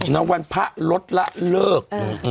น้องวันพระรถละเลิก